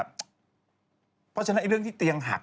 เพราะฉะนั้นเรื่องที่เตียงหัก